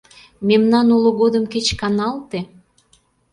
Мемнан уло годым кеч каналте.